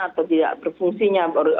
atau tidak berfungsinya